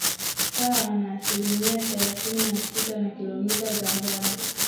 sawa na asilimia thelathini na sita na Kilomita za mraba